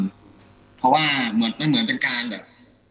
เพราะว่ามันเหมือนกันการแบบ